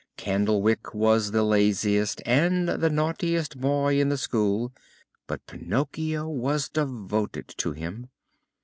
Candlewick was the laziest and the naughtiest boy in the school, but Pinocchio was devoted to him.